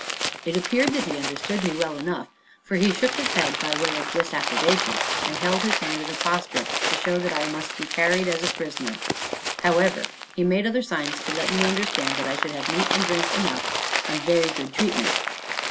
It appeared that he understood me well enough, for he shook his head by way of disapprobation, and held his hand in a posture, to show that I must be carried as a prisoner. However, he made other signs to let me understand that I should have meat and drink enough, and very good treatment.